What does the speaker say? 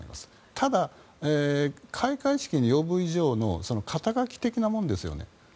ただ、開会式に呼ぶ以上の肩書き的なものですよね。